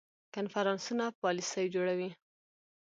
کنفرانسونه پالیسي جوړوي